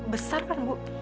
besar kan bu